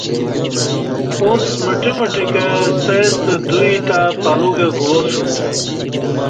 اُݩڅ مٹہ مٹہ کہ ستے ستہ دوئی تہ پلوگہ گواسوم